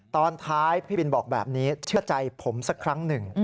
ตอนท้ายพี่บินบอกแบบนี้เชื่อใจผมสักครั้งหนึ่ง